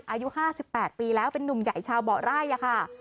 อายุห้าสิบแปดปีแล้วเป็นหนุ่มใหญ่ชาวเบาะไร่อ่ะค่ะ